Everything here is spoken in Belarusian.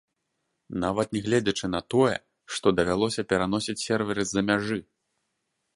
Нават нягледзячы на тое, што давялося пераносіць серверы з-за мяжы.